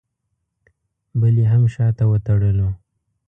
بل یې هم شاته وتړلو.